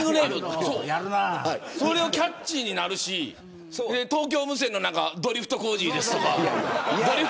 キャッチーになるし東京無線のドリフトコージーですとか。